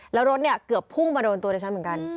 แล้วรถเนี่ยเกือบพุ่งมาโดนตัวดิฉันเหมือนกัน